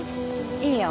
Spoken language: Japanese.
いいよ。